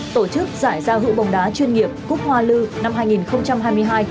tổ chức giải giao hữu bồng đá chuyên nghiệp cúc hoa lư năm hai nghìn hai